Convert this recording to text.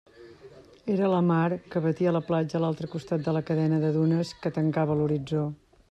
Era la mar, que batia la platja a l'altre costat de la cadena de dunes que tancava l'horitzó.